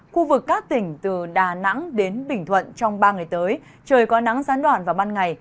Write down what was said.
khu vực các tỉnh từ đà nẵng đến bình thuận trong ba ngày tới trời có nắng gián đoạn vào ban ngày